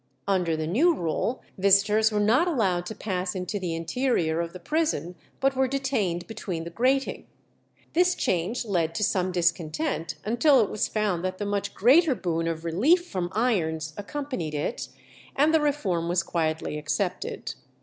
Under the new rule visitors were not allowed to pass into the interior of the prison, but were detained between the grating. This change led to some discontent, until it was found that the much greater boon of relief from irons accompanied it, and the reform was quietly accepted.